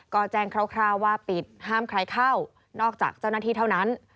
ก็แจ้งคร่าวว่าปิดห้ามใครเข้านอกจากเจ้าหน้าที่เท่านั้น